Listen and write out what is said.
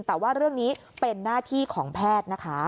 แต่ว่าเรื่องนี้เป็นหน้าที่ของแพทย์นะคะ